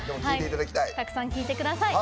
たくさん聴いてください。